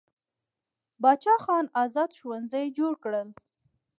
باچا خان ازاد ښوونځي جوړ کړل.